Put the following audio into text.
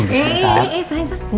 eh eh eh seng seng